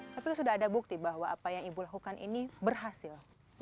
tapi sudah ada bukti bahwa apa yang ibu lakukan ini berhasil